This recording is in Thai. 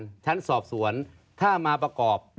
สาธารณ์ศอบส่วนถ้ามาประกอบ